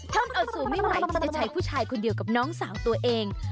อดซูไม่ไหวมันจะใช้ผู้ชายคนเดียวกับน้องสาวตัวเอง